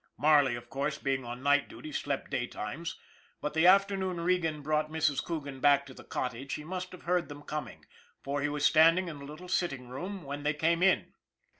Marley, of course, being on night duty slept day times, but the afternoon Regan brought Mrs. Coogan back to the cottage he must have heard them coming, for he was standing in the little sitting room when they came in.